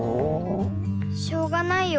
しょうがないよ。